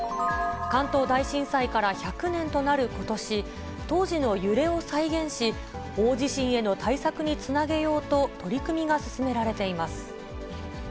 関東大震災から１００年となることし、当時の揺れを再現し、大地震への対策につなげようと、取り組みが進められています。